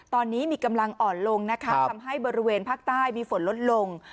ตอนนี้มีกำลังอ่อนลงนะคะทำให้บริเวณภาคใต้มีฝนลดลง